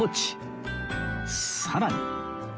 さらに